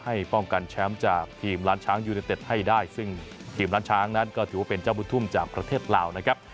ป้องกันแชมป์จากทีมล้านช้างยูเนเต็ดให้ได้ซึ่งทีมล้านช้างนั้นก็ถือว่าเป็นเจ้าบุญทุ่มจากประเทศลาวนะครับ